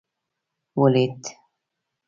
ولوېد.